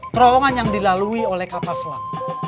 terowongan yang dilalui oleh kapal selam